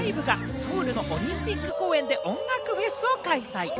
ソウルのオリンピック公園で音楽フェスを開催。